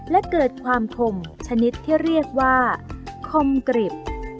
และเกิดความคมชนิดที่เรียกว่าคมกริบ